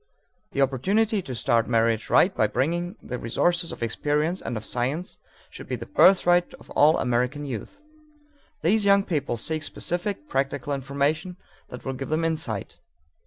The opportunity to start marriage right by bringing the resources of experience and of science should be the birthright of all American youth. These young people seek specific, practical information that will give them insight.